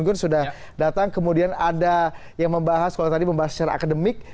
gun sudah datang kemudian ada yang membahas kalau tadi membahas secara akademik